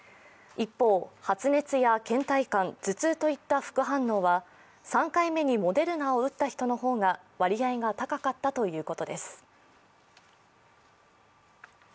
一方、発熱やけん怠感、頭痛といった副反応は、３回目にモデルナを打った人の方が割合が高かったということです。